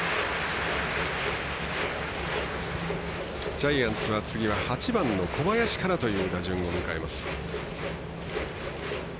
ジャイアンツは次は８番の小林からという打順を迎えます。